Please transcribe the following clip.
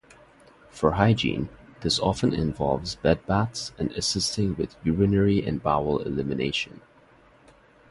For hygiene, this often involves bed baths and assisting with urinary and bowel elimination.